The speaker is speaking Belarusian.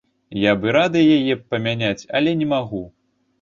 Я б і рады яе памяняць, але не магу!